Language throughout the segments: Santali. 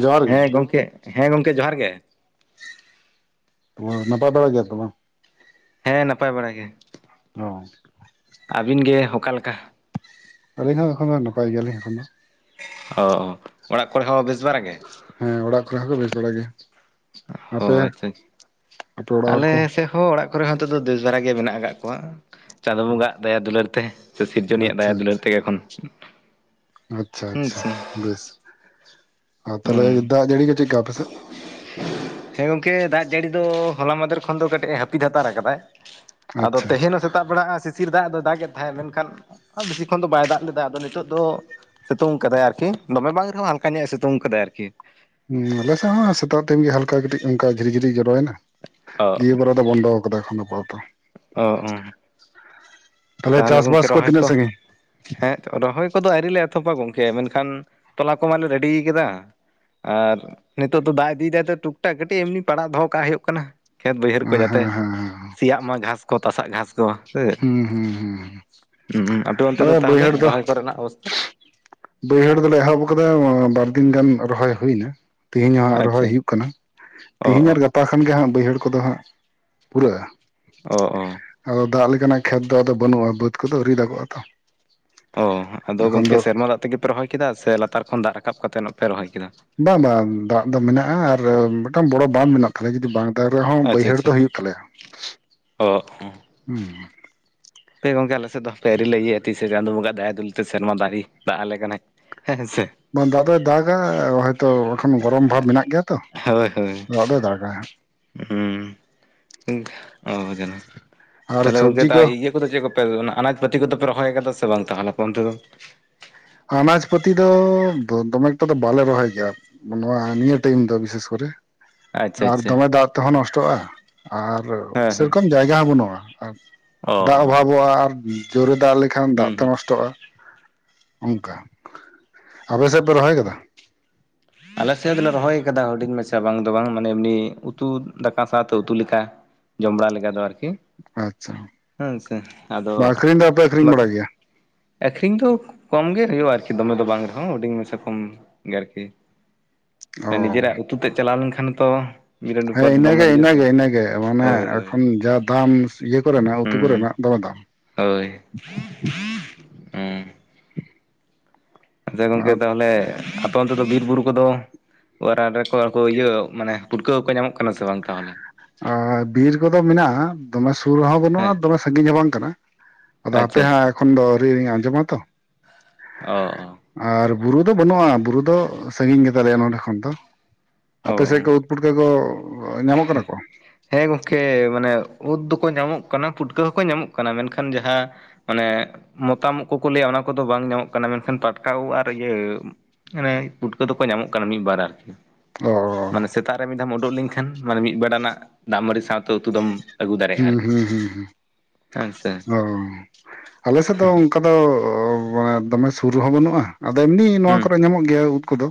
ᱡᱚᱦᱟᱨ ᱜᱮ ᱦᱮᱸ ᱜᱚᱝᱠᱮ ᱦᱮᱸ ᱜᱚᱝᱠᱮ ᱡᱚᱦᱟᱨ ᱜᱮ᱾ ᱦᱟᱹᱭ ᱱᱟᱯᱟᱭ ᱵᱟᱲᱟ ᱜᱮᱭᱟ ᱛᱚ ᱵᱟᱝ? ᱦᱮᱸ ᱱᱟᱯᱟᱭ ᱵᱟᱲᱟ ᱜᱮ᱾ ᱚ᱾ ᱟᱹᱵᱤᱱ ᱜᱮ ᱚᱠᱟᱞᱮᱠᱟ? ᱟᱞᱤᱧ ᱦᱚᱸ ᱮᱠᱷᱚᱱ ᱫᱚ ᱱᱟᱯᱟᱭ ᱜᱮᱭᱟᱞᱤᱧ ᱮᱠᱦᱚᱱ ᱫᱚ᱾ ᱚ ᱚᱲᱟᱜ ᱠᱚᱨᱮ ᱦᱚᱸ ᱵᱮᱥ ᱵᱟᱨᱜ ᱜᱮ? ᱦᱮᱸ ᱚᱲᱟᱜ ᱠᱚᱨᱮ ᱦᱚᱸ ᱠᱚ ᱵᱮᱥ ᱵᱟᱲᱟ ᱜᱮᱭᱟ, ᱟᱯᱮ ᱚ ᱟᱪᱪᱷᱟ ᱟᱪᱪᱷᱟ᱾ ᱟᱯᱮ ᱚᱲᱟᱜ ᱦᱚᱲᱟᱜ ᱦᱚᱲ ᱟᱞᱮ ᱠᱚ? ᱥᱮᱫ ᱦᱚᱸ ᱚᱲᱟᱜ ᱠᱚᱨᱮ ᱦᱚᱸ ᱱᱮᱛᱚᱜ ᱫᱚ ᱵᱮᱥ ᱫᱷᱟᱨᱟ ᱜᱮ ᱢᱮᱱᱟᱜ ᱟᱠᱟᱫ ᱠᱚᱣᱟ ᱪᱟᱸᱫᱚ ᱵᱚᱱᱜᱟ ᱦᱟᱜ ᱫᱟᱭᱟ ᱫᱩᱞᱟᱹᱲ ᱛᱮ᱾ ᱥᱮ ᱥᱤᱨᱡᱚᱱᱤᱭᱟ ᱦᱟᱜ ᱫᱟᱭᱟ ᱟᱪᱪᱷᱟ ᱫᱩᱞᱟᱹᱲ ᱟᱪᱪᱷᱟ ᱛᱮᱜᱮ ᱮᱠᱷᱚᱱ᱾ ᱟᱪᱪᱷᱟ ᱦᱩᱸ ᱟᱪᱪᱷᱟ ᱥᱮ ᱵᱮᱥ, ᱟ ᱦᱩᱸ ᱛᱟᱦᱚᱞᱮ ᱫᱟᱜ ᱡᱟᱲᱤ ᱠᱚ ᱪᱮᱫᱞᱮᱠᱟ ᱟᱯᱮᱥᱮᱫ? [inaudible] ᱦᱮᱸ ᱜᱚᱝᱠᱮ ᱫᱟᱜ ᱡᱟᱹᱲᱤ ᱫᱚ ᱦᱚᱞᱟ ᱢᱟᱫᱷᱮᱨ ᱠᱷᱚᱱ ᱫᱚ ᱠᱟᱹᱴᱤᱡ ᱮ ᱦᱟᱹᱯᱤᱫ ᱦᱟᱛᱟᱨ ᱟᱠᱟᱫᱟᱭ᱾ ᱟᱫᱚ ᱟᱪᱪᱷᱟ ᱛᱮᱦᱮᱧ ᱦᱚᱸ ᱥᱮᱛᱟᱜ ᱵᱮᱲᱟ ᱥᱤᱥᱤᱨ ᱫᱟᱜ ᱫᱚ ᱫᱟᱜ ᱮᱫ ᱛᱟᱦᱮᱸᱫ ᱢᱮᱱ ᱠᱷᱟᱱᱼᱼ ᱵᱮᱥᱤ ᱠᱷᱚᱱ ᱫᱚ ᱵᱟᱭ ᱫᱟᱜ ᱞᱮᱫᱟ ᱟᱫᱚ ᱱᱤᱛᱚᱜ ᱫᱚᱼᱼ ᱥᱤᱛᱩᱝ ᱠᱟᱫᱟᱭ ᱟᱨᱠᱤ ᱫᱚᱢᱮ ᱵᱟᱝ ᱨᱮᱦᱚᱸ ᱦᱟᱞᱠᱟ ᱧᱚᱜ ᱮ ᱥᱤᱛᱩᱝ ᱠᱟᱫᱟᱭ ᱟᱨᱠᱤᱼᱼ ᱦᱮᱸ ᱟᱞᱮᱥᱮᱫ ᱦᱚᱸ ᱥᱮᱛᱟᱜ ᱴᱤᱢ ᱜᱮ ᱦᱟᱞᱠᱟ ᱠᱟᱹᱴᱤᱡ ᱚᱱᱠᱟ ᱡᱷᱤᱨᱤ ᱡᱷᱤᱨᱤ ᱡᱚᱨᱚᱭᱮᱱᱟ ᱚ ᱫᱤᱭᱮᱵᱟᱨᱼᱼ ᱵᱚᱱᱫᱚ ᱠᱟᱫᱟ ᱮᱠᱷᱚᱱ ᱫᱚ ᱟᱯᱟ ᱛᱚᱛᱚ ᱚ ᱚ ᱛᱟᱦᱚᱞᱮ ᱪᱟᱥ ᱵᱟᱥ ᱠᱚ ᱛᱤᱱᱟᱹᱜ ᱥᱟᱜᱤᱧ? ᱦᱮᱸ ᱨᱚᱦᱚᱭ ᱠᱚᱫᱚ ᱟᱣᱨᱤᱞᱮ ᱮᱛᱚᱦᱚᱵᱟ ᱜᱚᱝᱠᱮ ᱢᱮᱱᱠᱷᱟᱱ ᱛᱚᱞᱟ ᱠᱚᱢᱟᱞᱮ ᱨᱮᱰᱤᱭ ᱠᱮᱫᱟ᱾ ᱟᱨ ᱱᱤᱛᱚᱜ ᱫᱚ ᱫᱟᱜ ᱤᱫᱤ ᱫᱟᱭ ᱫᱚ ᱴᱩᱠᱴᱟᱠ ᱠᱟᱹᱴᱤᱡ ᱮᱢᱱᱤ ᱯᱟᱲᱟᱜ ᱫᱚᱦᱚ ᱠᱟᱜ ᱦᱩᱭᱩᱜ ᱠᱟᱱᱟ᱾ ᱠᱷᱮᱛ ᱵᱟᱹᱭᱦᱟᱹᱲ ᱠᱚ ᱡᱟᱛᱮ ᱦᱮᱸ ᱦᱮᱸ ᱦᱮᱸ ᱥᱮᱭᱟᱜ ᱢᱟ ᱜᱷᱟᱥ ᱠᱚ ᱛᱟᱥᱟᱜ ᱜᱷᱟᱥ ᱠᱚᱼᱼ ᱦᱮᱸ ᱦᱮᱸ ᱦᱮᱸ ᱦᱮᱸ ᱦ ᱟᱯᱮ ᱚᱱᱛᱮ ᱫᱚ ᱛᱟᱦᱚᱞᱮ ᱨᱚᱦᱚᱭ ᱠᱚᱨᱮᱱᱟᱜ ᱚᱵᱚᱥᱛᱷᱟ? ᱵᱟᱹᱭᱦᱟᱹᱲ ᱫᱚᱞᱮ ᱮᱦᱚᱵ ᱟᱠᱟᱫᱟ ᱵᱟᱨᱫᱤᱱ ᱜᱟᱱ ᱨᱚᱦᱚᱭ ᱦᱩᱭ ᱮᱱᱟ᱾ ᱛᱦᱤᱧ ᱦᱚᱸ ᱟᱨ ᱨᱚᱦᱚᱭ ᱟᱪᱪᱷᱟ ᱦᱩᱭᱩᱜ ᱠᱟᱱᱟ ᱚ ᱛᱮᱦᱮᱧ ᱚ ᱟᱨ ᱜᱟᱯᱼᱼ ᱟ ᱠᱷᱟᱱ ᱜᱮ ᱦᱟᱸᱜ ᱵᱟᱹᱭᱦᱟᱹᱲ ᱠᱚᱫᱚ ᱦᱟᱸᱜ ᱯᱩᱨᱟᱹᱜᱼᱟ᱾ ᱚ ᱚ ᱟᱫᱚ ᱫᱟᱜ ᱞᱮᱠᱟᱱᱟᱜ ᱠᱷᱮᱛ ᱫᱚ ᱟᱫᱚ ᱵᱟᱹᱱᱩᱜᱼᱟ ᱵᱟᱹᱫ ᱠᱚᱫᱚ ᱟᱣᱨᱤ ᱫᱟᱜᱚᱜᱼᱟ ᱛᱚᱼᱼ ᱚ ᱟᱫᱚ ᱜᱚᱝᱠᱮ ᱥᱮᱨᱢᱟ ᱫᱟᱜ ᱛᱮᱜᱮᱯᱮ ᱨᱚᱦᱚᱭ ᱠᱮᱫᱟ ᱥᱮ ᱞᱟᱛᱟᱨ ᱠᱷᱚᱱ ᱫᱟᱜ ᱨᱟᱠᱟᱵ ᱠᱟᱛᱮ ᱯᱮ ᱨᱚᱦᱚᱭ ᱠᱮᱫᱟ᱾ ᱵᱟᱝ ᱵᱟᱝ ᱫᱟᱜ ᱫᱚ ᱢᱮᱱᱟᱜᱼᱟ ᱟᱨ ᱢᱤᱫᱴᱟᱝ ᱵᱚᱲᱚ ᱵᱟᱸᱫ ᱢᱮᱱᱟᱜ ᱛᱟᱞᱮᱭᱟ ᱡᱩᱫᱤ ᱵᱟᱝᱼᱼ ᱫᱟᱨᱮ ᱨᱮᱦᱚᱸ ᱟᱪᱪᱷᱟ ᱵᱟᱹᱭᱦᱟᱹᱲ ᱟᱪᱪᱷᱟ ᱫᱚ ᱦᱩᱭᱩᱜ ᱛᱟᱞᱮᱭᱟ ᱦᱩᱼᱼ ᱚ ᱦᱟᱯᱮ ᱜᱚᱢᱠᱮ ᱟᱞᱮ ᱫᱚ ᱦᱟᱯᱮ ᱟᱣᱨᱤ ᱞᱮᱹᱤᱭᱟᱹᱭᱟ ᱛᱤᱥ ᱥᱮ ᱪᱟᱸᱫᱚ ᱵᱚᱸᱜᱟ ᱫᱟᱭᱟ ᱫᱩᱞᱟᱹᱲᱼᱼ ᱥᱮᱨᱢᱟ ᱡᱟᱲᱤ ᱫᱟᱜ ᱟᱞᱮ ᱠᱟᱱᱟᱭ ᱦᱮᱸ ᱥᱮ᱾ ᱵᱟᱝ ᱫᱟᱜᱫᱚᱭ ᱫᱟᱜᱟ ᱦᱚᱭ ᱛᱚ ᱮᱠᱷᱚᱱ ᱜᱚᱨᱚᱢ ᱵᱷᱟᱵᱽ ᱢᱮᱱᱟᱜ ᱜᱮᱭᱟ ᱛᱚ ᱦᱳᱭ ᱦᱳᱭ ᱫᱟᱜ ᱫᱚᱭ ᱫᱟᱜ ᱜᱮᱭᱟ ᱦᱟᱸᱜᱼᱼ ᱦᱩᱸ ᱚ ᱡᱮᱱᱚ ᱟᱨ ᱛᱟᱦᱞᱮ ᱜᱚᱢᱠᱮ ᱥᱚᱵᱽᱡᱤ ᱛ ᱠᱚ ᱤᱭᱟᱹᱼᱼ ᱟ ᱫᱚ ᱪᱮᱫ ᱠᱚᱯᱮ ᱚᱱᱟ ᱟᱱᱟᱡ ᱯᱟᱹᱛᱤ ᱠᱚᱫᱚ ᱯᱮ ᱨᱚᱦᱚᱭ ᱟᱠᱟᱫᱟ ᱥᱮ ᱵᱟᱝ ᱛᱟᱦᱞᱮᱸᱞᱟᱠᱚ ᱚᱱᱛᱮ ᱫᱚ? ᱟᱱᱟᱡᱽ ᱯᱟᱹᱛᱤ ᱫᱚ ᱫᱚᱢᱮ ᱮᱠᱴᱟ ᱫᱚ ᱵᱟᱞᱮ ᱨᱚᱦᱚᱭ ᱜᱮᱭᱟ᱾ ᱱᱚᱣᱟ ᱱᱤᱭᱟᱹ ᱴᱟᱭᱤᱢ ᱫᱚ ᱵᱤᱥᱮᱥ ᱠᱚᱨᱮ᱾ ᱟᱪᱪᱷᱟ ᱟᱨ ᱟᱪᱪᱷᱟ ᱫᱚᱢᱮ ᱫᱟᱜ ᱛᱮᱦᱚᱸ ᱱᱚᱥᱴᱚᱜᱼᱟ ᱟᱨ ᱦᱮᱸ ᱦᱮᱸ ᱥᱮᱨᱚᱠᱚᱢ ᱡᱟᱭᱜᱟ ᱦᱚᱸ ᱵᱟᱹᱱᱩᱜᱼᱟ ᱟᱨ ᱚ ᱫᱟᱜ ᱚ ᱚᱵᱷᱟᱵᱚᱜᱼᱟ ᱟᱨ ᱡᱳᱨᱮ ᱫᱟᱜ ᱞᱮᱠᱷᱟᱱ ᱫᱟᱜ ᱦᱩᱸ ᱛᱮ ᱦᱩᱸ ᱱᱚᱥᱴᱚᱜᱼᱟ᱾ ᱚᱱᱠᱟ ᱟᱯᱮ ᱥᱮᱫ ᱯᱮ ᱨᱚᱦᱚᱭ ᱠᱮᱫᱟ? ᱟᱞᱮ ᱥᱮᱫ ᱫᱚᱞᱮ ᱨᱚᱦᱚᱭ ᱟᱠᱟᱫᱟ ᱦᱩᱰᱤᱧ ᱢᱟᱪᱷᱟ ᱵᱟᱝ ᱫᱚ ᱵᱟᱝ ᱢᱟᱱᱮ ᱮᱢᱱᱤ ᱩᱛᱩ ᱫᱟᱠᱟ ᱥᱟᱶᱛᱮ ᱩᱛᱩ ᱞᱮᱠᱟ᱾ ᱡᱚᱢ ᱵᱟᱲᱟ ᱞᱮᱠᱟ ᱫᱚ ᱟᱨᱠᱤ᱾ ᱟᱪᱪᱷᱟ ᱦᱮᱸ ᱥᱮ ᱟᱫᱚ ᱵᱟᱝ ᱟᱠᱷᱨᱤᱧ ᱫᱚᱯᱮ ᱟᱠᱷᱨᱤᱧ ᱵᱟᱲᱟ ᱜᱮᱭᱟ? ᱟᱠᱷᱨᱤᱧ ᱫᱚ ᱠᱚᱢ ᱜᱮ ᱦᱩᱭᱩᱜᱼᱟ ᱟᱨᱠᱤ ᱫᱚᱢᱮ ᱫᱚ ᱵᱟᱝ ᱨᱮᱦᱚᱸ ᱦᱩᱰᱤᱧ ᱢᱮᱥᱮ ᱠᱚᱢ ᱜᱮ ᱟᱨᱠᱤ᱾ ᱚ ᱱᱤᱡᱮᱨᱟᱜ ᱩᱛᱩ ᱛᱮᱜ ᱪᱟᱞᱟᱣ ᱞᱮᱱ ᱠᱷᱟᱱ ᱛᱚᱼᱼ ᱦᱮᱸ ᱤᱱᱟᱹᱜᱮ ᱤᱱᱟᱹᱜᱮ ᱤᱱᱟᱹᱜᱮ ᱢᱟᱱᱮ ᱦᱳᱭ ᱦᱳᱭ ᱮᱠᱷᱚᱱ ᱡᱟ ᱫᱟᱢᱼᱼ ᱤᱭᱟᱹ ᱠᱚᱨᱮᱱᱟᱜ ᱩᱛᱩ ᱠᱚᱨᱮᱱᱟᱜ ᱫᱚᱢᱮ ᱫᱟᱢ᱾ ᱦᱳᱭᱼᱼ ᱟᱪᱪᱷᱟ ᱜᱚᱝᱠᱮ ᱟᱨ ᱛᱟᱦᱚᱞᱮ ᱟᱯᱮ ᱚᱱᱛᱮ ᱫᱚ ᱵᱤᱨ ᱵᱩᱨᱩ ᱠᱚᱫᱚᱼᱼ ᱚᱟᱨᱟᱱ ᱨᱮᱠᱚ ᱤᱭᱟᱹ ᱢᱟᱱᱮ ᱯᱩᱴᱠᱟᱹᱠᱚᱠᱚ ᱧᱟᱢᱚᱜ ᱠᱟᱱᱟ ᱥᱮ ᱵᱟᱝ ᱛᱟᱦᱚᱞᱮ? ᱟᱨ ᱵᱤᱨ ᱠᱚᱫᱚ ᱢᱮᱱᱟᱜ-ᱟ ᱫᱚᱢᱮ ᱥᱩᱨ ᱨᱮᱦᱚᱸ ᱵᱟᱹᱱᱩᱜᱼᱟ ᱦᱮᱸ ᱫᱚᱢᱮ ᱥᱟᱺᱜᱤᱧ ᱦᱚᱸ ᱵᱟᱝ ᱠᱟᱱᱟ᱾ ᱟᱫᱚ ᱟᱯᱮ ᱟᱪᱪᱷᱟ ᱟᱪᱪᱷᱟ ᱦᱟᱸᱜ ᱮᱠᱷᱚᱱ ᱫᱚ ᱟᱹᱶᱨᱤ ᱞᱤᱧ ᱟᱸᱡᱚᱢᱟᱛᱚ᱾ ᱚ ᱚ ᱟᱨ ᱵᱩᱨᱩ ᱫᱚ ᱵᱟᱹᱱᱩᱜ-ᱟ ᱵᱩᱨᱩ ᱫᱚ ᱥᱟᱹᱜᱤᱧ ᱜᱮᱛᱟᱞᱮᱭᱟ ᱱᱚᱰᱮ ᱠᱷᱚᱱ ᱫᱚ ᱚ ᱚ ᱟᱯᱮ ᱥᱮᱫ ᱠᱚ ᱯᱩᱴᱠᱟᱹ ᱠᱚ ᱧᱟᱢᱚᱜ ᱠᱟᱱᱟ ᱠᱚ? ᱦᱮᱸ ᱜᱚᱢᱠᱮ ᱢᱟᱱᱮ ᱩᱫ ᱫᱚᱠᱚ ᱧᱟᱢᱚᱜ ᱠᱟᱱᱟ ᱯᱩᱴᱠᱟᱹ ᱦᱚᱸᱠᱚ ᱧᱟᱢᱚᱜ ᱠᱟᱱᱟ ᱢᱮᱱᱠᱷᱟᱱ ᱡᱟᱦᱟᱸᱼᱼ ᱢᱟᱱᱮ ᱢᱚᱛᱟᱢ ᱩᱜ ᱠᱚᱠᱚ ᱞᱟᱹᱭᱟ ᱚᱱᱟ ᱠᱚᱫᱚ ᱵᱟᱝ ᱧᱟᱢᱚᱜ ᱠᱟᱱᱟ ᱢᱮᱱᱠᱷᱟᱱ ᱯᱟᱴᱠᱟ ᱩᱫᱽ ᱟᱨ ᱤᱭᱟᱹ ᱢᱟᱱᱮ ᱯᱩᱴᱠᱟᱹ ᱫᱚᱠᱚ ᱧᱟᱢᱚᱜ ᱠᱟᱱᱟ ᱢᱤᱫ-ᱵᱟᱨ ᱟᱨᱠᱤ᱾ ᱚ ᱢᱟᱱᱮ ᱥᱮᱛᱟᱜ ᱨᱮ ᱢᱤᱫ ᱫᱷᱟᱣᱮᱢ ᱩᱰᱩᱠ ᱞᱮᱱᱠᱷᱟᱱ ᱢᱟᱱᱮ ᱢᱤᱫ ᱵᱮᱲᱟᱱᱟᱜ ᱫᱟᱜᱢᱟᱹᱰᱤ ᱥᱟᱶᱛᱮ ᱩᱛᱩ ᱫᱚᱢ ᱟᱹᱜᱩ ᱦᱩᱸ ᱫᱟᱲᱮᱭᱟᱜᱼᱟ ᱟᱨᱠᱤ ᱦᱩᱸ ᱦᱩᱸ ᱦᱮᱸ ᱥᱮ ᱚ᱾ ᱟᱞᱮ ᱥᱮᱫ ᱫᱚ ᱚᱝ ᱠᱟ ᱫᱚ ᱫᱚᱢᱮ ᱥᱩᱨ ᱨᱮᱦᱚᱸ ᱵᱟᱹᱱᱩᱜ-ᱟ ᱟᱫᱚ ᱮᱢᱱᱤ ᱱᱚᱣᱟ ᱦᱩᱸ ᱠᱚᱨᱮ ᱧᱟᱢᱚᱜ ᱜᱮᱭᱟ ᱩᱫᱽ ᱠᱚᱫᱚ᱾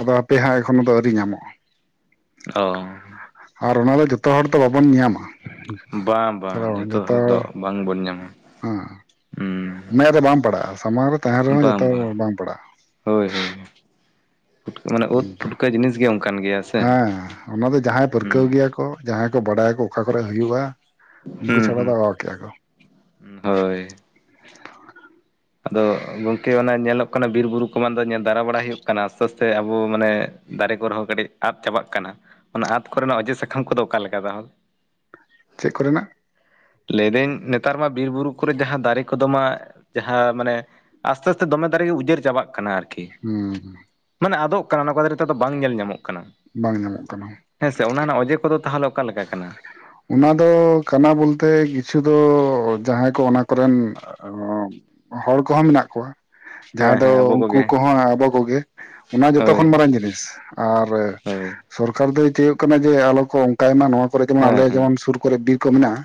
ᱟᱫᱚ ᱦᱟᱯᱮ ᱦᱟᱸᱜ ᱮᱠᱷᱚᱱᱳ ᱫᱚ ᱟᱹᱣᱨᱤ ᱧᱟᱢᱚᱜ-ᱟ᱾ ᱚ᱾ ᱟᱨ ᱚᱱᱟ ᱫᱚ ᱡᱚᱛᱚ ᱦᱚᱲ ᱫᱚ ᱵᱟᱵᱚᱱ ᱧᱟᱢᱟ᱾ ᱵᱟᱝ ᱵᱟᱝ ᱟᱫᱚ ᱡᱷᱚᱛᱚ ᱡᱚᱛᱚ ᱦᱚᱲ ᱫᱚ ᱵᱟᱝᱵᱚᱱ ᱧᱟᱢᱟ᱾ ᱦᱮᱸ᱾ ᱦᱩᱸ᱾ ᱢᱮᱫ ᱨᱮ ᱵᱟᱝ ᱯᱟᱲᱟᱜ-ᱟ᱾ ᱥᱟᱢᱟᱝ ᱨᱮ ᱛᱟᱦᱮᱸᱱ ᱨᱮᱦᱚᱸ ᱡᱚᱛᱚ ᱵᱟᱝ ᱯᱟᱲᱟᱜ-ᱟ᱾ ᱦᱳᱭ ᱦᱳᱭ ᱯᱩᱴᱠᱟᱹ ᱢᱟᱱᱮ ᱩᱫᱽ ᱚᱱᱠᱟ ᱯᱷᱩᱴᱠᱟᱹ ᱡᱤᱱᱤᱥ ᱜᱮ ᱚᱱᱠᱟᱱ ᱜᱮᱭᱟ ᱥᱮ᱾ ᱦᱮᱸ ᱚᱱᱟ ᱫᱚ ᱡᱟᱦᱟᱸᱭ ᱯᱟᱹᱨᱠᱟᱹᱣ ᱦᱩᱸ ᱜᱮᱭᱟ ᱠᱚ ᱡᱟᱦᱟᱸᱭ ᱠᱚ ᱵᱟᱰᱟᱭᱟᱠᱚ ᱚᱠᱟ ᱠᱚᱨᱮ ᱦᱩᱭᱩᱜ-ᱟ ᱩᱱᱠᱩ ᱦᱩᱸ ᱪᱷᱟᱲᱟ ᱫᱚ ᱦᱩᱸ ᱚᱦᱚ ᱠᱮᱭᱟ ᱠᱚ᱾ ᱦᱳᱭ᱾ ᱟᱫᱚ ᱜᱚᱢᱠᱮ ᱚᱱᱟ ᱧᱮᱞᱚᱜ ᱠᱟᱱᱟ ᱵᱤᱨ ᱵᱩᱨᱩ ᱠᱚᱢᱟ ᱫᱚ ᱧᱮᱞ ᱫᱟᱨᱟ ᱵᱟᱲᱟᱭ ᱦᱩᱭᱩᱜ ᱠᱟᱱᱟ ᱟᱥᱛᱮ ᱟᱥᱛᱮ ᱟᱵᱚ ᱢᱟᱱᱮ ᱫᱟᱨᱮ ᱠᱚᱨᱮ ᱦᱚᱸ ᱠᱟᱹᱴᱤᱡ ᱟᱫ ᱪᱟᱵᱟᱜ ᱠᱟᱱᱟ᱾ ᱚᱱᱟ ᱟᱫ ᱠᱚᱨᱮᱱᱟᱜ ᱚᱡᱮ ᱥᱟᱠᱟᱢ ᱠᱚᱫᱚ ᱚᱠᱟ ᱞᱮᱠᱟ ᱛᱟᱦᱚᱞᱮ? ᱪᱮᱜ ᱠᱚᱨᱮᱱᱟᱜ᱾ ᱞᱟᱹᱭᱫᱟᱹᱧ ᱱᱮᱛᱟᱨ ᱢᱟ ᱵᱤᱨᱵᱩᱨᱩ ᱠᱚᱨᱮ ᱡᱟᱦᱟᱸ ᱫᱟᱨᱮ ᱠᱚᱫᱚ ᱢᱟ ᱡᱟᱦᱟᱸ ᱢᱟᱱᱮ ᱟᱥᱛᱮ ᱟᱥᱛᱮ ᱫᱚᱢᱮ ᱫᱟᱨᱮ ᱜᱮ ᱩᱡᱟᱹᱨ ᱪᱟᱵᱟᱜ ᱠᱟᱱᱟ ᱟᱨᱠᱤ᱾ ᱦᱩᱸ ᱦᱩᱸ᱾ ᱢᱟᱱᱮ ᱟᱫᱚᱜ ᱠᱟᱱᱟ ᱚᱱᱟ ᱠᱚ ᱫᱟᱨᱮ ᱛᱮᱫᱚ ᱵᱟᱝ ᱧᱮᱞ ᱧᱟᱢᱚᱜ ᱠᱟᱱᱟ᱾ ᱵᱟᱝ ᱧᱟᱢᱚᱜ ᱠᱟᱱᱟ᱾ ᱦᱮᱸ ᱥᱮ ᱚᱱᱟ ᱨᱮᱱᱟᱜ ᱚᱡᱮ ᱠᱚᱫᱚ ᱛᱟᱦᱚᱞᱮ ᱚᱠᱟ ᱞᱮᱠᱟ ᱠᱟᱱᱟ? ᱚᱱᱟ ᱫᱚ ᱠᱟᱱᱟ ᱵᱚᱞᱛᱮ ᱠᱤᱪᱷᱩ ᱫᱚ ᱡᱟᱦᱟᱸᱭ ᱠᱚ ᱚᱱᱟ ᱠᱚᱨᱮᱱ ᱦᱚᱲ ᱠᱚᱦᱚᱸ ᱢᱮᱱᱟᱜ ᱠᱚᱣᱟ ᱦᱮᱸ ᱡᱟᱦᱟᱸᱭ ᱫᱚ ᱦᱮᱸ ᱟᱵᱚ ᱩᱱᱠᱩ ᱠᱚᱜᱮ ᱠᱚᱦᱚᱸ ᱟᱵᱚ ᱠᱚᱜᱮ ᱚᱱᱟ ᱡᱚᱛᱚ ᱦᱳᱭ ᱠᱷᱚᱱ ᱢᱟᱨᱟᱝ ᱡᱤᱱᱤᱥ ᱟᱨ ᱦᱳᱭ ᱥᱚᱨᱠᱟᱨ ᱫᱚᱭ ᱪᱟᱹᱭᱚᱜ ᱠᱟᱱᱟ ᱡᱮ ᱟᱞᱚ ᱠᱚ ᱚᱱᱠᱟᱭ ᱢᱟ᱾ ᱱᱚᱣᱟ ᱠᱚᱨᱮ ᱡᱮᱢᱚᱱ ᱦᱮᱸ ᱟᱞᱮᱭᱟ ᱦᱮᱸ ᱡᱮᱢᱚᱱ ᱥᱩᱨ ᱠᱚᱨᱮ ᱵᱤᱨ ᱠᱚ ᱢᱮᱱᱟᱜ-ᱟ᱾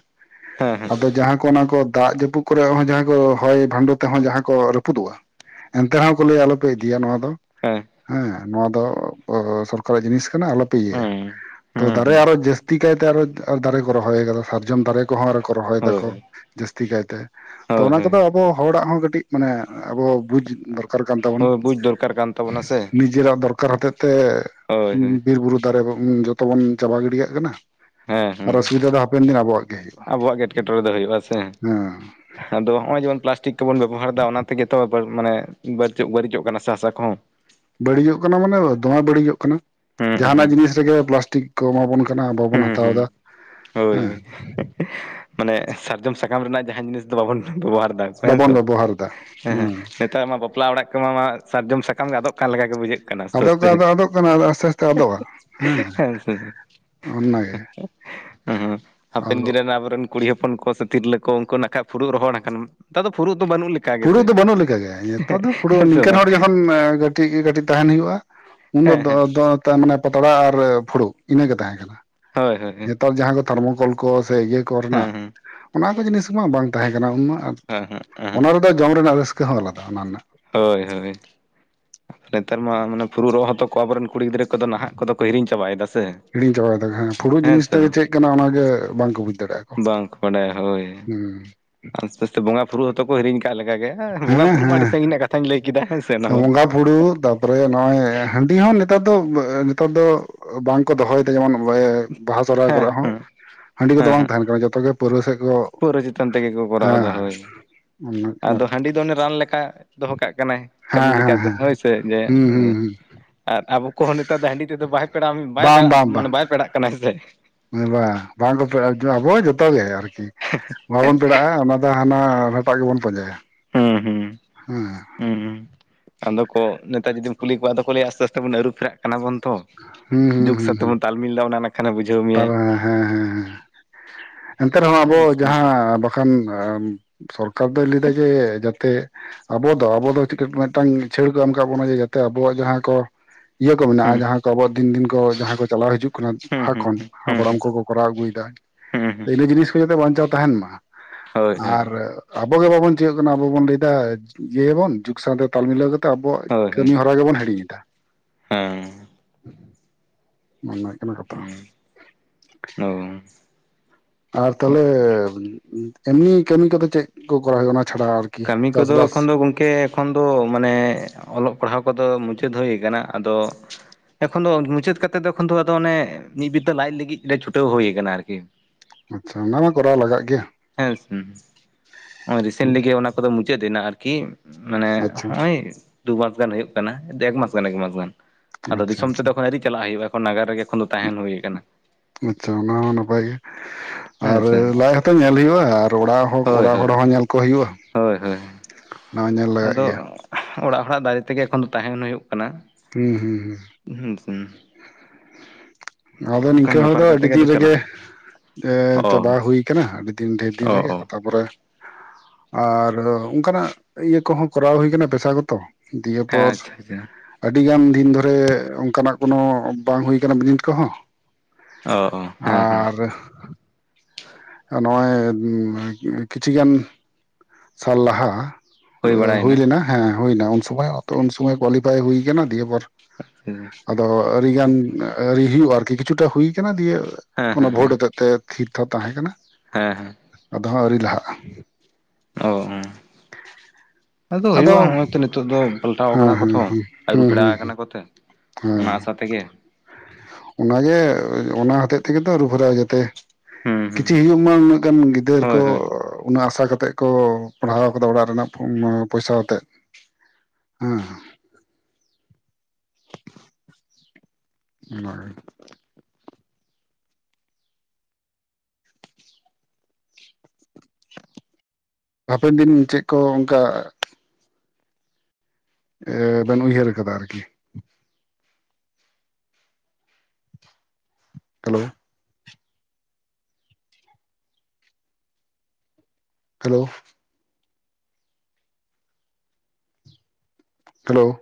ᱦᱮᱸ ᱦᱮᱸ ᱟᱫᱚ ᱡᱟᱦᱟᱸ ᱠᱚ ᱚᱱᱟ ᱠᱚ ᱫᱟᱜ ᱡᱟᱹᱯᱩᱫ ᱠᱚᱨᱮᱜ ᱦᱚᱸ ᱡᱟᱦᱟᱸ ᱠᱚ ᱦᱚᱭ ᱵᱷᱟᱱᱰᱚ ᱛᱮᱦᱚᱸ ᱡᱟᱦᱟᱸ ᱠᱚ ᱨᱟᱹᱯᱩᱫᱚᱜ-ᱟ ᱮᱱᱛᱮ ᱨᱮᱦᱚᱸ ᱠᱚ ᱞᱟᱹᱭᱟ ᱟᱞᱚᱯᱮ ᱤᱫᱤᱭᱟ ᱱᱚᱣᱟ ᱫᱚ᱾ ᱦᱮᱸ᱾ ᱦᱮᱸ ᱱᱚᱣᱟ ᱫᱚ ᱥᱚᱨᱠᱟᱨᱟᱜ ᱡᱤᱱᱤᱥ ᱠᱟᱱᱟ ᱟᱞᱚᱯᱮ ᱤᱭᱟᱹᱭᱟ ᱦᱩᱸ ᱛᱚ ᱦᱩᱸ ᱫᱟᱨᱮ ᱦᱩᱸ ᱟᱨᱚ ᱛᱤ ᱠᱟᱭᱛᱮ ᱟᱨᱚ ᱟᱨ ᱫᱟᱨᱮ ᱠᱚ ᱨᱚᱦᱚᱭ ᱠᱟᱫᱟ᱾ ᱥᱟᱨᱡᱚᱢ ᱫᱟᱨᱮ ᱠᱚᱦᱚᱸ ᱟᱨᱚ ᱠᱚ ᱨᱚᱦᱚᱭ ᱦᱳᱭ ᱫᱟᱠᱚ ᱦᱳᱭ ᱡᱟᱹᱥᱛᱤ ᱠᱟᱭᱛᱮ ᱛᱚ ᱦᱳᱭ ᱚᱱᱟ ᱦᱳᱭ ᱠᱚᱫᱚ ᱟᱵᱚ ᱦᱚᱲᱟᱜ ᱦᱚᱸ ᱠᱟᱹᱴᱤᱡ ᱢᱟᱱᱮ ᱟᱵᱚ ᱵᱩᱡᱽ ᱫᱚᱨ ᱠᱟᱨ ᱠᱟᱱ ᱛᱟᱵᱚᱱᱟ ᱦᱳᱭ ᱵᱩᱡᱽ ᱫᱚᱨᱠᱟᱨ ᱠᱟᱱ ᱛᱟᱵᱚᱱᱟ ᱥᱮ ᱱᱤᱡᱮᱨᱟᱜ ᱫᱚᱨᱠᱟᱨ ᱦᱚᱛᱮᱡ ᱛᱮ ᱦᱳᱭ ᱦᱳᱭ ᱵᱤᱨ ᱵᱩᱨᱩ ᱫᱟᱨᱮ ᱡᱚᱛᱚ ᱵᱚᱱ ᱪᱟᱵᱟ ᱜᱤᱰᱤᱠᱟᱜ ᱠᱟᱱᱟ ᱦᱮᱸ ᱟᱨ ᱦᱮᱸ ᱚᱥᱩᱵᱤᱫᱟ ᱫᱚ ᱦᱟᱯᱮᱱ ᱫᱤᱱ ᱟᱵᱚᱣᱟᱜ ᱜᱮ ᱦᱩᱭᱩᱜ-ᱟ᱾ ᱟᱵᱚᱣᱟᱜ ᱜᱮ ᱮᱴᱠᱮᱴᱚᱬᱮ ᱫᱚ ᱦᱩᱭᱩᱜ-ᱟ ᱥᱮ᱾ ᱟᱫᱚ ᱦᱚᱸᱜ-ᱚᱭ ᱡᱮᱢᱚᱱ ᱯᱞᱟᱥᱴᱤᱠ ᱠᱚᱵᱚᱱ ᱵᱮᱵᱚᱦᱟᱨ ᱮᱫᱟ ᱚᱱᱟ ᱛᱮᱜᱮ ᱛᱚ ᱢᱟᱱᱮ ᱵᱟᱹᱨᱤᱪᱚᱜ ᱵᱟᱹᱨᱤᱪᱚᱜ ᱠᱟᱱᱟ ᱥᱮ ᱦᱟᱥᱟ ᱠᱚᱦᱚᱸ᱾ ᱵᱟᱹᱲᱤᱡᱚᱜ ᱠᱟᱱᱟ ᱢᱟᱱᱮ ᱫᱚᱢᱮ ᱵᱟᱹᱲᱤᱡᱚᱜ ᱠᱟᱱᱟ ᱦᱩᱸ ᱡᱟᱦᱟᱱᱟᱜ ᱦᱩᱸ ᱡᱤᱱᱤᱥ ᱨᱮᱜᱮ ᱯᱞᱟᱥᱴᱤᱠ ᱠᱚ ᱮᱢᱟᱵᱚᱱ ᱠᱟᱱᱟ ᱟᱵᱚᱵᱚᱱ ᱦᱩᱸ ᱦᱩᱸ ᱦᱟᱛᱟᱣᱫᱟ ᱦᱳᱭ ᱦᱮᱸ᱾ ᱦᱳᱭ ᱢᱟᱱᱮ ᱥᱟᱨᱡᱚᱢ ᱥᱟᱠᱟᱢ ᱨᱮᱱᱟᱜ ᱡᱟᱦᱟᱸᱱ ᱡᱤᱱᱤᱥ ᱫᱚ ᱵᱟᱵᱚᱱ ᱵᱮᱵᱚᱦᱟᱨ ᱫᱟ᱾ ᱦᱮᱸ ᱛᱚ᱾ ᱵᱟᱵᱚᱱ ᱵᱮᱵᱚᱦᱟᱨ ᱮᱫᱟ ᱦᱮᱸ ᱦᱮᱸ ᱱᱮᱛᱟᱨ ᱢᱟ ᱵᱟᱯᱞᱟ ᱚᱲᱟᱜ ᱠᱚᱢᱟ ᱢᱥ ᱥᱟᱨᱡᱚᱢ ᱥᱟᱠᱟᱢ ᱜᱮ ᱟᱫᱚᱜ ᱠᱟᱱ ᱞᱮᱠᱟ ᱜᱮ ᱵᱩᱡᱷᱟᱹᱜ ᱠᱟᱱᱟ ᱟᱥᱛᱮ ᱟᱫᱚᱜ ᱟᱥᱛᱮ ᱠᱟᱱᱟ ᱫᱚ ᱟᱫᱚᱜ ᱠᱟᱱᱟ ᱟᱥᱛᱮ ᱟᱥᱛᱮ ᱟᱫᱚᱜᱼᱟ ᱦᱮᱸ [inaudible] ᱦᱮᱸᱥᱮ ᱾ ᱚᱱᱟᱜᱮ [inaudible] ᱦᱩᱸ ᱦᱟᱯᱮᱱ ᱫᱤᱱ ᱟᱫᱚ ᱨᱮᱱᱟᱜ ᱟᱵᱚᱨᱮᱱ ᱠᱩᱲᱤ ᱦᱚᱯᱚᱱ ᱠᱚ ᱥᱮ ᱛᱤᱨᱞᱟᱹ ᱠᱚ ᱩᱱᱠᱩ ᱱᱟᱜ ᱠᱷᱟᱱ ᱯᱷᱩᱲᱩᱜ ᱨᱚᱦᱚᱲ ᱟᱠᱟᱱ, ᱱᱮᱛᱟᱨ ᱫᱚ ᱯᱷᱩᱲᱩᱜ ᱫᱚ ᱵᱟᱹᱱᱩᱜ ᱞᱮᱠᱟ ᱾ ᱯᱷᱩᱲᱩᱜ ᱫᱚ ᱵᱟᱹᱱᱩᱜ ᱞᱮᱠᱟᱜᱮ ᱱᱤᱛᱚᱜ ᱫᱚ ᱯᱷᱩᱲᱩᱜ ᱥᱮ ᱱᱤᱝᱠᱟᱹᱱ ᱵᱟᱝ ᱦᱚᱲ ᱡᱚᱠᱷᱚᱱ ᱠᱟᱹᱴᱤᱡ ᱠᱟᱹᱴᱤᱡ ᱛᱟᱦᱮᱱ ᱦᱩᱭᱩᱜ-ᱟ ᱩᱱ ᱫᱚ ᱦᱮᱸ ᱫᱚ ᱦᱮᱸ ᱫᱚ ᱢᱟᱱᱮ ᱯᱟᱛᱲᱟ ᱟᱨ ᱯᱷᱩᱲᱩᱜ ᱤᱱᱟᱹᱜᱮ ᱛᱟᱦᱮᱸ ᱠᱟᱱᱟ ᱦᱳᱭ ᱦᱳᱭ ᱾ ᱦᱮᱸ ᱱᱮᱛᱟᱨ ᱡᱟᱦᱟᱸ ᱠᱚ ᱛᱷᱚᱨᱢᱳᱠᱳᱞ ᱠᱚ ᱥᱮ ᱤᱭᱟᱹ ᱠᱚᱨᱮᱱᱟᱜ ᱦᱮᱸ [inaudible] ᱚᱱᱟ ᱠᱚ ᱡᱤᱱᱤᱥ ᱢᱟ ᱵᱟᱝ ᱛᱟᱦᱮᱸ ᱠᱟᱱᱟ ᱩᱱᱢᱟ ᱦᱮᱸ ᱦᱮᱸ [unintelligible] ᱫᱚ ᱡᱚᱢ ᱨᱮᱱᱟᱜ ᱨᱟᱹᱥᱠᱟᱹ ᱦᱚᱸ ᱟᱞᱟᱫᱟ ᱚᱱᱟ ᱨᱮᱱᱟᱜ ᱾ ᱦᱳᱭ ᱦᱳᱭ ᱾ [inaudible] ᱱᱮᱛᱟᱨ ᱢᱟ ᱢᱟᱱᱮ ᱯᱷᱩᱲᱩᱜ ᱨᱚᱜ ᱦᱚᱸᱛᱚ ᱠᱚ ᱟᱵᱚ ᱨᱮᱱ ᱠᱩᱲᱤ ᱜᱤᱫᱽᱨᱟᱹ ᱠᱚᱫᱚ ᱱᱟᱦᱟᱜ ᱠᱚᱫᱚ ᱠᱚ ᱦᱤᱲᱤᱧ ᱪᱟᱵᱟᱭ ᱮᱫᱟ ᱥᱮ ᱾ ᱦᱤᱲᱤᱧ ᱪᱟᱵᱟᱭ ᱮᱫᱟᱠᱚ ᱦᱮᱸ, ᱯᱷᱩᱲᱩᱜ ᱡᱤᱱᱤᱥ ᱫᱚ ᱪᱮᱫ ᱠᱟᱱᱟ ᱚᱱᱟᱜᱮ ᱵᱟᱝᱠᱚ ᱵᱩᱡ ᱫᱟᱲᱮᱭᱟᱜ-ᱟ ᱠᱚ ᱾ ᱵᱟᱝᱠᱚ ᱵᱟᱰᱟᱭᱟ ᱦᱳᱭ ᱾ ᱦᱩᱸ ᱾ ᱟᱥᱛᱮ ᱟᱥᱛᱮ ᱵᱚᱸᱜᱟ ᱯᱷᱩᱲᱩᱜ ᱦᱚᱸᱛᱚ ᱠᱚ ᱦᱤᱨᱤᱧ ᱠᱟᱜ ᱞᱮᱠᱟ ᱜᱮ ᱾ ᱵᱚᱸᱜᱟ ᱦᱮᱸ ᱯᱷᱩᱲᱩᱜ ᱢᱟ ᱟᱹᱰᱤ ᱦᱮᱸ ᱥᱟᱹᱜᱤᱧ ᱨᱮᱱᱟᱜ ᱠᱟᱛᱷᱟᱧ ᱞᱟᱹᱭ ᱠᱮᱫᱟ ᱾ ᱵᱚᱸᱜᱟ ᱯᱷᱩᱲᱩᱜ, ᱛᱟᱨᱯᱚᱨᱮ ᱱᱚᱜ-ᱚᱭ ᱦᱟᱺᱰᱤ ᱦᱚᱸ ᱱᱮᱛᱟᱨ ᱫᱚ ᱱᱮᱛᱟᱨ ᱫᱚ ᱵᱟᱝᱠᱚ ᱫᱚᱦᱚᱭ ᱮᱫᱟ ᱡᱮᱢᱚᱱ ᱵᱟᱦᱟ ᱥᱚᱨᱦᱟᱭ ᱦᱮᱸ ᱠᱚᱨᱮ ᱦᱚᱸ ᱦᱮᱸ ᱾ ᱦᱟᱺᱰᱤ ᱠᱚᱫᱚ ᱵᱟᱝ ᱦᱮᱸ ᱛᱟᱦᱮᱱ ᱠᱟᱱᱟ ᱾ ᱡᱚᱛᱚ ᱜᱮ ᱯᱟᱹᱣᱨᱟᱹ ᱥᱮᱫ ᱠᱚ ᱯᱟᱹᱣᱨᱟᱹ ᱪᱮᱛᱟᱱ ᱛᱮᱜᱮ ᱠᱚ ᱠᱚᱨᱟᱣ ᱦᱮᱸ ᱮᱫᱟ ᱦᱳᱭ ᱾ [inaudible] ᱦᱮᱸ ᱟᱫᱚ ᱦᱟᱺᱰᱤ ᱫᱚ ᱚᱱᱮ ᱨᱟᱱ ᱞᱮᱠᱟ ᱫᱚᱦᱚ ᱠᱟᱜ ᱠᱟᱱᱟᱭ ᱠᱟᱹᱢᱤ ᱦᱮᱸ ᱞᱮᱠᱟ ᱞᱮᱠᱟᱛᱮ ᱦᱮᱸ ᱦᱳᱭ ᱥᱮ ᱡᱮ ᱦᱩᱸ ᱦᱩᱸ ᱦᱩᱸ [inaudible] ᱟᱨ ᱟᱵᱚ ᱠᱚᱦᱚᱸ ᱱᱮᱛᱟᱨ ᱫᱚ ᱦᱟᱺᱰᱤ ᱛᱮᱫᱚ ᱵᱟᱭ ᱯᱮᱲᱟᱜ ᱵᱟᱝ ᱠᱟᱱᱟ ᱵᱟᱝ ᱢᱟᱱᱮ ᱵᱟᱭ ᱯᱮᱲᱟᱜ ᱠᱟᱱᱟ ᱦᱮᱸ ᱥᱮ ᱾ ᱵᱟᱝ ᱵᱟᱝ ᱠᱚ ᱯᱮᱲᱟᱜ ᱚᱪᱩ, ᱟᱵᱚ ᱦᱚᱸ ᱡᱚᱛᱚᱜ ᱜᱮ ᱟᱨᱠᱤ ᱾ ᱵᱟᱵᱚᱱ ᱯᱮᱲᱟᱜ-ᱟ ᱚᱱᱟ ᱫᱚ ᱦᱟᱱᱟ ᱦᱟᱴᱟᱜ ᱜᱮᱵᱚᱱ ᱯᱟᱸᱡᱟᱭᱟ ᱦᱩᱸ ᱦᱩᱸ [inaudible] ᱦᱮᱸ ᱾ ᱦᱩᱸ ᱦᱩᱸ ᱾ [inaudible] ᱟᱫᱚ ᱠᱚ ᱱᱮᱛᱟᱨ ᱡᱩᱫᱤᱢ ᱠᱩᱞᱤ ᱠᱚᱣᱟ ᱟᱫᱚ ᱠᱚ ᱞᱟᱹᱭᱟ ᱟᱥᱛᱮ ᱟᱥᱛᱮ ᱵᱚᱱ ᱟᱹᱨᱩ ᱯᱷᱮᱨᱟᱜ ᱠᱟᱱᱟ ᱵᱚᱱ ᱾ ᱦᱩᱸ ᱦᱩᱸ ᱦᱩᱸ ᱚᱱᱟ ᱱᱟᱠᱷᱟᱱᱮ ᱾ ᱵᱩᱡᱷᱟᱹᱣ [inaudible] ᱦᱮᱸ ᱢᱮᱭᱟᱭ ᱦᱮᱸ ᱦᱮᱸ ᱾ ᱮᱱᱛᱮ ᱨᱮᱦᱚᱸ ᱦᱮᱸ ᱟᱵᱚ ᱡᱟᱦᱟᱸ ᱵᱟᱠᱷᱟᱱ ᱥᱚᱨᱠᱟᱨ ᱫᱚᱭ ᱞᱟᱹᱭ ᱮᱫᱟ ᱡᱮ ᱡᱟᱛᱮ ᱟᱵᱚ ᱫᱚ ᱟᱵᱚ ᱫᱚ ᱪᱤᱠᱟ ᱢᱤᱫᱴᱟᱝ ᱪᱷᱟᱹᱲ ᱠᱚ ᱮᱢ ᱠᱟᱜ ᱵᱚᱱᱟ ᱡᱮ ᱡᱟᱛᱮ ᱟᱵᱚᱣᱟᱜ ᱡᱟᱦᱟᱸ ᱠᱚ ᱤᱭᱟᱹ ᱠᱚ ᱢᱮᱱᱟᱜ-ᱟ ᱡᱟᱦᱟᱸ ᱠᱚ ᱟᱵᱚᱣᱟᱜ ᱫᱤᱱ ᱫᱤᱱ ᱠᱚ ᱡᱟᱦᱟᱸ ᱠᱚ ᱪᱟᱞᱟᱣ ᱦᱤᱡᱩᱜ ᱠᱟᱱᱟ ᱦᱮᱸ ᱦᱩᱸ ᱞᱟᱦᱟ ᱦᱩᱸ ᱦᱩᱸ ᱠᱷᱚᱱ ᱦᱩᱸ ᱦᱟᱯᱲᱟᱢ ᱦᱩᱸ ᱠᱚ ᱠᱚᱨᱟᱣ ᱟᱹᱜᱩᱭ ᱮᱫᱟ ᱦᱩᱸ ᱦᱩᱸ ᱾ [inaudible] ᱤᱱᱟᱹ ᱡᱤᱱᱤᱥ ᱠᱚ ᱡᱟᱛᱮ ᱵᱟᱧᱪᱟᱣ ᱛᱟᱦᱮᱱ ᱢᱟ ᱦᱳᱭ ᱦᱳᱭ ᱟᱨ ᱟᱵᱚ ᱜᱮ ᱵᱟᱵᱚᱱ ᱪᱤᱠᱟᱹᱜ ᱠᱟᱱᱟ, ᱟᱵᱚ ᱵᱚᱱ ᱞᱟᱹᱭ ᱮᱫᱟ ᱤᱭᱟᱹᱭᱟᱵᱚᱱ ᱡᱩᱜᱽ ᱥᱟᱶᱛᱮ ᱛᱟᱞ ᱢᱤᱞᱟᱹᱣ ᱠᱟ ᱟᱵᱚᱣᱟᱜ ᱠᱟᱹᱢᱤ ᱦᱚᱨᱟ ᱜᱮᱵᱚᱱ ᱦᱤᱲᱤᱧ ᱮᱫᱟ ᱾ ᱦᱮᱸᱻ ᱚᱱᱟ ᱦᱩᱭᱩᱜ ᱠᱟᱱᱟ ᱠᱟᱛᱷᱟ ᱾ [unintelligible] ᱟᱨ ᱛᱟᱦᱚᱞᱮᱻ ᱮᱢᱱᱤ ᱠᱟᱹᱢᱤ ᱠᱚᱫᱚ ᱪᱮᱫ ᱠᱚ ᱠᱚᱨᱟᱣ ᱦᱩᱭᱩᱜ-ᱟ ᱚᱱᱟ ᱪᱷᱟᱲᱟ? ᱟᱨᱠᱤ ᱠᱟᱹᱢᱤ ᱠᱚᱫᱚ ᱮᱠᱷᱚᱱ ᱪᱟᱥᱵᱟᱥ ᱫᱚ ᱜᱚᱢ ᱠᱮ ᱮᱠᱷᱚᱱ ᱫᱚ ᱢᱟᱱᱮ ᱚᱞᱚᱜ ᱯᱟᱲᱦᱟᱣ ᱠᱚᱫᱚ ᱢᱩᱪᱟᱹᱫ ᱦᱩᱭ ᱟᱠᱟᱱᱟ ᱾ ᱟᱫᱚ ᱮᱠᱷᱚᱱ ᱫᱚ ᱢᱩᱪᱟᱹᱫ ᱠᱟᱛᱮᱫ ᱫᱚ ᱚᱱᱮ ᱢᱤᱫᱵᱤᱛᱟᱹ ᱞᱟᱡ ᱞᱟᱹᱜᱤᱫ ᱛᱮ ᱪᱷᱩᱴᱟᱹᱣ ᱦᱩᱭ ᱟᱠᱟᱱᱟ ᱟᱨᱠᱤ ᱾ ᱟᱪᱪᱷᱟ ᱚᱱᱟ ᱢᱟ ᱠᱚᱨᱟᱣ ᱞᱟᱜᱟᱜ ᱜᱮᱭᱟ [inaudible] ᱦᱮᱸ ᱨᱤᱥᱮᱱᱴᱞᱤᱜ ᱜᱮ ᱚᱱᱟ ᱠᱚᱫᱚ ᱢᱩᱪᱟᱹᱫ ᱮᱱᱟ ᱟᱨᱠᱤ ᱢᱟᱱᱮ ᱟᱪᱪᱷᱟ ᱱᱚᱜ-ᱚᱭ ᱫᱩ ᱢᱟᱥ ᱜᱟᱱ ᱦᱩᱭᱩᱜ ᱠᱟᱱᱟ ᱮᱠᱢᱟᱥ ᱜᱟᱱ ᱮᱠᱢᱟᱥ ᱜᱟᱱ ᱟᱫᱚ ᱟᱪᱪᱷᱟ ᱫᱤᱥᱚᱢ ᱛᱮᱫᱚ ᱟᱪᱪᱷᱟ ᱮᱠᱷᱚᱱ ᱟᱨᱤ ᱪᱟᱞᱟᱜ ᱦᱩᱭᱩᱜ-ᱟ ᱾ ᱱᱟᱜᱟᱨ ᱨᱮᱜᱮ ᱮᱠᱷᱚᱱ ᱫᱚ ᱛᱟᱦᱮᱱ ᱦᱩᱭ ᱟᱠᱟᱱᱟ ᱾ ᱟᱪᱪᱷᱟ ᱚᱱᱟ ᱦᱚᱸ ᱱᱟᱯᱟᱭ ᱜᱮ ᱾ ᱦᱮᱸ ᱟᱨ ᱥᱮ ᱞᱟᱡ ᱦᱚᱸᱛᱚ ᱧᱮᱞ ᱦᱩᱭᱩᱜ-ᱟ ᱟᱨ ᱚᱲᱟᱜ ᱦᱳᱭ ᱚᱲᱟᱜ ᱦᱳᱭ ᱦᱚᱲ ᱦᱚᱸ ᱧᱮᱞ ᱠᱚ ᱦᱩᱭᱩᱜ-ᱟ ᱾ ᱦᱳᱭ ᱟᱫᱚ ᱜᱮᱭᱟ ᱚᱲᱟᱜ ᱦᱚᱲᱟᱜ ᱫᱟᱨᱮ ᱛᱮᱜᱮ ᱮᱠᱷᱚᱱ ᱫᱚ ᱛᱟᱦᱮᱱ ᱦᱩᱭᱩᱜ ᱠᱟᱱᱟ᱾ ᱦᱩᱸ ᱦᱩᱸ ᱦᱩᱸ ᱦᱮᱸ ᱟᱫᱚ ᱚᱱᱠᱟᱱ ᱱᱤᱝᱠᱟᱹ ᱦᱚᱲ ᱵᱮᱯᱟᱨ ᱫᱚ ᱠᱟᱛᱮ ᱟᱹᱰᱤ ᱜᱮ ᱫᱤᱱ ᱟᱫᱚ ᱨᱮᱜᱮᱼᱼ ᱪᱟᱞᱟᱜ ᱚ ᱪᱟᱵᱟ ᱦᱩᱭ ᱟᱠᱟᱱᱟ ᱟᱹᱰᱤ ᱫᱤᱱ ᱰᱷᱮᱨ ᱚ ᱫᱤᱱ ᱨᱮᱜᱮ ᱚ ᱛᱟ ᱯᱚᱨᱮᱼᱼ ᱟᱨ ᱚᱱᱠᱟᱱᱟᱜ ᱤᱭᱟᱹ ᱠᱚᱦᱚᱸ ᱠᱚᱨᱟᱣ ᱦᱩᱭᱠᱟᱱᱟ ᱯᱮᱥᱟ ᱜᱚᱛᱚ᱾ ᱫᱤᱭᱮ ᱦᱮᱸ ᱯᱚᱨᱼᱼ ᱟᱪᱪᱷᱟ ᱟᱪᱪᱷᱟ᱾ ᱟᱹᱰᱤ ᱜᱟᱱ ᱫᱤᱱ ᱫᱷᱚᱨᱮ ᱚᱱᱠᱟᱱᱟᱜ ᱠᱳᱱᱳ ᱵᱟᱝ ᱦᱩᱭ ᱟᱠᱟᱱᱟ ᱵᱤᱱᱤᱰ ᱠᱚᱦᱚᱸ, ᱚ ᱚ ᱦᱮᱸ ᱦᱮᱸ ᱟᱨᱼᱼ ᱱᱚᱜᱼᱚᱭ ᱠᱤᱪᱷᱤ ᱜᱟᱱᱼᱼ ᱥᱟᱞ ᱞᱟᱦᱟ ᱦᱩᱭ ᱞᱮᱱᱟ᱾ ᱦᱮᱸ ᱦᱩᱭᱱᱟ ᱩᱱ ᱥᱚᱢᱚᱭ ᱩᱱ ᱥᱩᱢᱚᱭ ᱠᱳᱣᱟᱞᱤᱯᱷᱟᱭ ᱦᱩᱭᱠᱟᱱᱟ ᱫᱤᱭᱮ ᱯᱚᱨᱼᱼ ᱦᱮᱸ ᱟᱫᱚ ᱟᱹᱰᱤ ᱜᱟᱱ ᱟᱹᱣᱨᱤ ᱦᱩᱭᱩᱜᱼᱟ ᱟᱨᱠᱤ ᱠᱤᱪᱷᱩᱴᱟ ᱦᱩᱭ ᱟᱠᱟᱱᱟ ᱫᱤᱭᱮᱼᱼ ᱦᱮᱸ ᱚᱱᱟ ᱦᱮᱸ ᱵᱷᱳᱴ ᱦᱚᱛᱮᱫ ᱛᱮ ᱛᱷᱤᱨ ᱛᱷᱟᱨ ᱛᱟᱦᱮᱸ ᱠᱟᱱᱟ᱾ ᱦᱮᱸ ᱦᱮᱸ ᱟᱫᱚ ᱦᱟᱸᱜ ᱟᱹᱣᱨᱤ ᱞᱟᱦᱟᱜᱼᱟ᱾ ᱚᱻ ᱟᱫᱚ ᱦᱩᱭᱩᱜᱼᱟ ᱱᱚᱜᱼᱚᱭ ᱛᱚ ᱱᱤᱛᱳᱜ ᱫᱚ ᱯᱟᱞᱴᱟᱣ ᱦᱮᱸ ᱠᱟᱱᱟ ᱠᱚ ᱦᱮᱸ ᱛᱚ ᱦᱮᱸ ᱟᱹᱨᱩ ᱦᱩᱸ ᱯᱷᱮᱲᱟᱣ ᱦᱩᱸ ᱟᱠᱟᱱᱟ ᱠᱚᱛᱮ ᱚᱱᱟᱼᱼ ᱥᱟᱛᱮᱜᱮ ᱚᱱᱟ ᱜᱮ ᱚᱱᱟ ᱦᱚᱛᱮᱡ ᱛᱮᱜᱮ ᱛᱚ ᱟᱹᱨᱩ ᱯᱷᱮᱨᱟ ᱡᱟᱛᱮ ᱦᱩᱸ ᱦᱩᱸ ᱠᱤᱪᱷᱤ ᱦᱩᱭᱩᱜᱼᱼ [inaudible] ᱩᱱᱟᱹᱜ ᱜᱟᱱ ᱜᱤᱫᱟᱹᱨ ᱠᱚ ᱦᱳᱭ ᱦᱳᱭ ᱩᱱᱟᱹᱜ ᱟᱥᱟ ᱠᱟᱛᱮᱫ ᱠᱚ ᱯᱟᱲᱦᱟᱣ ᱟᱠᱟᱫᱟ ᱚᱲᱟᱜ ᱨᱮᱱᱟᱜ ᱯᱚᱭᱥᱟ ᱟᱛᱮᱫ᱾ ᱦᱩᱸᱼᱼ ᱚᱻ ᱦᱟᱯᱮᱱ ᱫᱤᱱ ᱪᱮᱫ ᱠᱚ ᱚᱱᱠᱟᱼᱼ ᱮ ᱵᱮᱱ ᱩᱭᱦᱟᱹᱨ ᱟᱠᱟᱫᱟ ᱟᱨᱠᱤ᱾ ᱦᱮᱞᱳ᱾ Hello hello